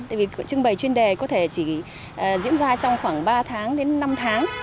tại vì trưng bày chuyên đề có thể chỉ diễn ra trong khoảng ba tháng đến năm tháng